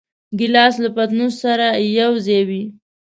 ګیلاس له پتنوس سره یوځای وي.